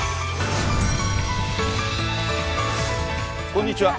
こんにちは。